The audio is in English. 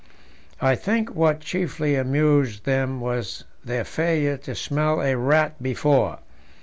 I think what chiefly amused them was their failure to smell a rat before.